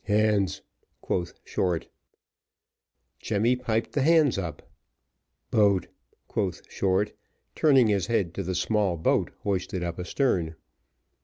"Hands," quoth Short. Jemmy piped the hands up. "Boat," quoth Short, turning his head to the small boat hoisted up astern.